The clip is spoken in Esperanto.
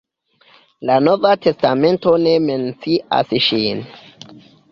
La nova testamento ne mencias ŝin.